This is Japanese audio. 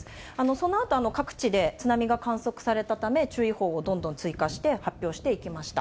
そのあと各地で津波が観測されたため、注意報をどんどん追加して発表していきました。